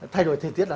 thay đổi thời tiết là